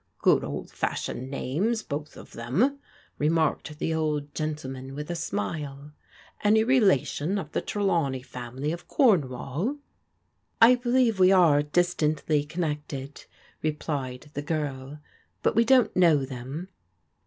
" Good old fashioned names, both of them," remarked the old gentleman with a smile. "Any relation of the Trelawney family of Cornwall ?"" I believe we are distantly connected," replied the girl, " but we don't know them."